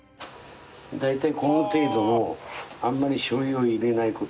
大体この程度のあんまりしょう油を入れない事。